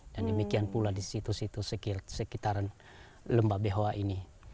dan demikian pula di situs situs sekitar lemba behoa ini